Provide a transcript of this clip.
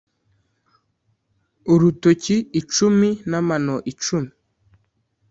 urutoki icumi n’ amano icumi